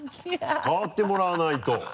使ってもらわないと！